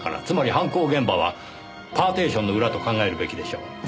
つまり犯行現場はパーティションの裏と考えるべきでしょう。